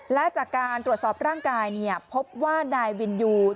และจากการตรวจสอบร่างกายพบว่านายวินยู